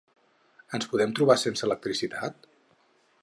Ens podem trobar sense electricitat?